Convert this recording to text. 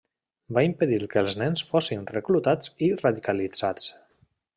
Va impedir que els nens fossin reclutats i radicalitzats.